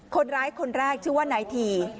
คนร้ายคนแรกชื่อว่านายที